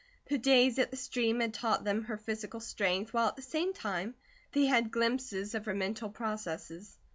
The days at the stream had taught them her physical strength, while at the same time they had glimpses of her mental processes.